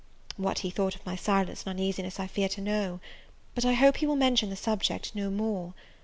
What he thought of my silence and uneasiness I fear to know; but I hope he will mention the subject no more.